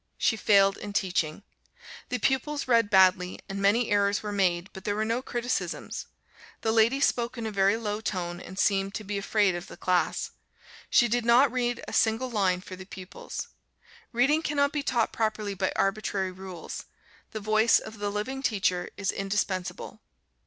She failed in teaching. The pupils read badly, and many errors were made, but there were no criticisms. The lady spoke in a very low tone, and seemed to be afraid of the class. She did not read a single line for the pupils. Reading cannot be taught properly by arbitrary rules, the voice of the living teacher is indispensable.